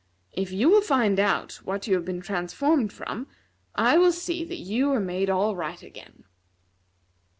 If you will find out what you have been transformed from, I will see that you are made all right again.